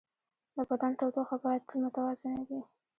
د بدن تودوخه باید تل متوازنه وي.